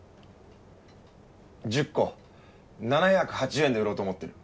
１０個７８０円で売ろうと思ってる。